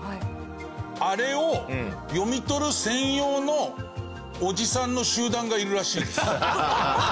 あれを読み取る専用のおじさんの集団がいるらしいです。